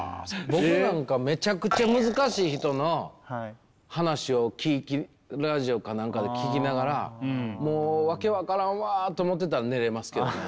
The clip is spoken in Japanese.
僕なんかめちゃくちゃ難しい人の話を聴きラジオかなんかで聴きながらもう訳分からんわと思ってたら寝れますけど。